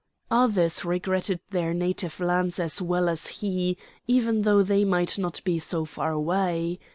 Others regretted their native lands as well as he, even though they might not be so far away.